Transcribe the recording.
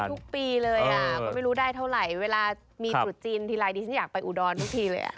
ทุกปีเลยก็ไม่รู้ได้เท่าไหร่เวลามีตรุษจีนทีไรดิฉันอยากไปอุดรทุกทีเลย